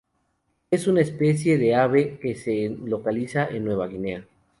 Es una especie de ave que se localiza en Nueva Guinea.